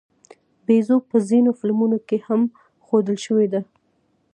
بیزو په ځینو فلمونو کې هم ښودل شوې ده.